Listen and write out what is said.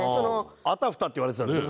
「あたふた」って言われてたんでしょ？